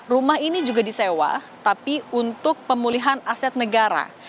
rumah ini juga disewa tapi untuk pemulihan aset negara